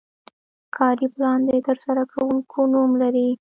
کاري پلان د ترسره کوونکي نوم لري.